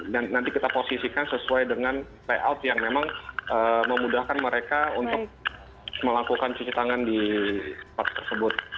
dan nanti kita posisikan sesuai dengan layout yang memang memudahkan mereka untuk melakukan cuci tangan di spot tersebut